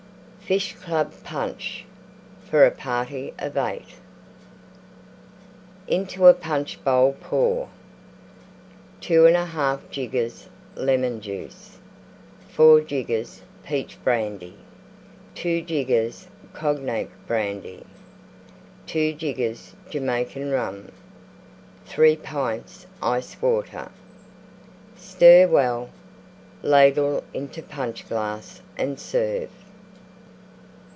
FISH CLUB PUNCH (for a party of 8) Into a Punch bowl pour: 2 1/2 jiggers Lemon Juice. 4 jiggers Peach Brandy. 2 jiggers Cognac Brandy. 2 jiggers Jamaica Rum. 3 pints Ice Water. Stir well; ladle into Punch glass and serve.